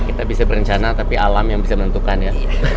kita bisa berencana tapi alam yang bisa menentukan ya